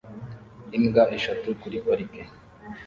Imbwa eshatu kuri parike